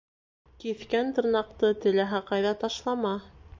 Киҫкән тырнаҡты теләһә ҡайҙа ташлама: